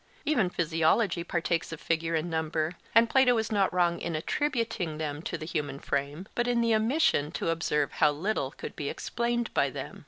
Even physiology partakes of figure and number; and Plato is not wrong in attributing them to the human frame, but in the omission to observe how little could be explained by them.